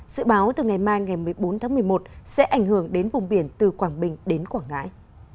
dự báo từ ngày mai ngày một mươi bốn tháng một mươi một sẽ ảnh hưởng đến vùng biển từ quảng bình đến quảng ngãi